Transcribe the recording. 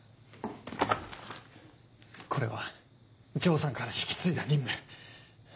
これは丈さんから引き継いだ任務。